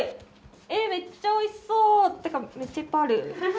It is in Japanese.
えっめっちゃおいしそう！ってかめっちゃいっぱいある。